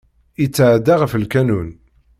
Yetɛedda ɣef lqanun.